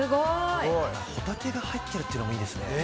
ホタテが入っているのもいいですね。